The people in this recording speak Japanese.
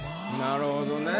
なるほどね。